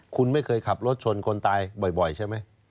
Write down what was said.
คุณไม่เคยขับรถชนคนตายบ่อยใช่ไหม